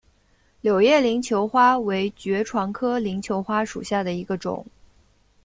柳叶鳞球花为爵床科鳞球花属下的一个种。